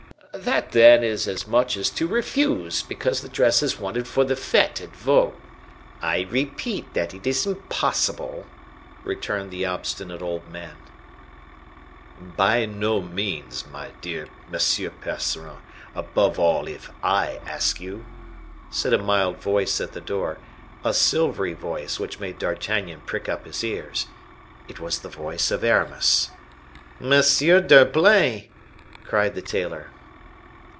"That, then, is as much as to refuse, because the dress is wanted for the fete at Vaux." "I repeat that it is impossible," returned the obstinate old man. "By no means, dear Monsieur Percerin, above all if I ask you," said a mild voice at the door, a silvery voice which made D'Artagnan prick up his ears. It was the voice of Aramis. "Monsieur d'Herblay!" cried the tailor.